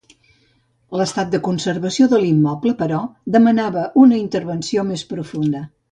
L'estat de conservació de l'immoble però, demanava una intervenció més profunda.